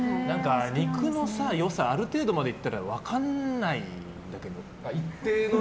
肉の良さある程度までいったら分かんないんだけど。